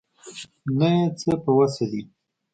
نه یې څه په وسه دي.